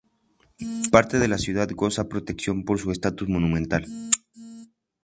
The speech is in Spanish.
Parte de la ciudad goza protección por su estatus monumental.